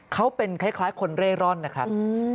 เขาเป็นคล้ายคนเร่ร่อนนะครับ